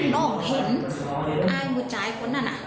น้องเห็นได้บุจัยเยอะไหวอ่ะ